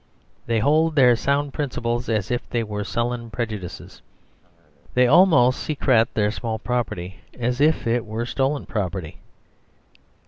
They hold their sound principles as if they were sullen prejudices. They almost secrete their small property as if it were stolen property.